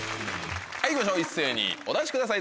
はい行きましょう一斉にお出しください